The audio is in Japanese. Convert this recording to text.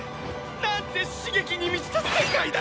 なんて刺激に満ちた世界だ！